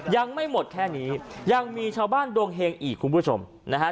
ยังไม่หมดแค่นี้ยังมีชาวบ้านดวงเฮงอีกคุณผู้ชมนะฮะ